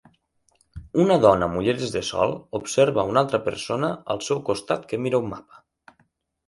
Una dona amb ulleres de sol observa una altra persona al seu costat que mira un mapa